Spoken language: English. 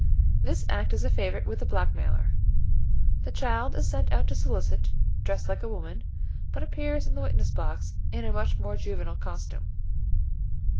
This Act is a favourite with the blackmailer. The child is sent out to solicit, dressed like a woman, but appears in the witness box in a much more juvenile costume.